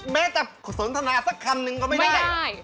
แม้จะสนทนาสักคำนึงก็ไม่ได้